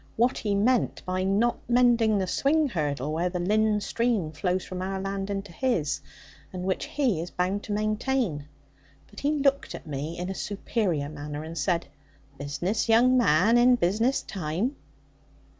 what he meant by not mending the swing hurdle where the Lynn stream flows from our land into his, and which he is bound to maintain. But he looked at me in a superior manner, and said, 'Business, young man, in business time.'